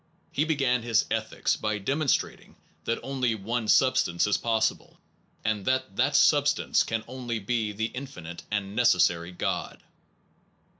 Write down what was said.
He began his Ethics by demonstrating that only one substance is possible, and that that substance can only be the infinite and necessary God.